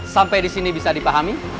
sampai di sini bisa dipahami